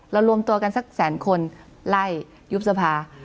รวมตัวกันสักแสนคนไล่ยุบสภา